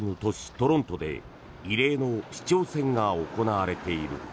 トロントで異例の市長選が行われている。